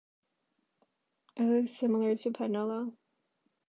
It is similar to panela.